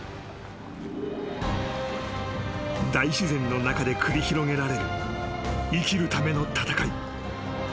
［大自然の中で繰り広げられる生きるための戦い］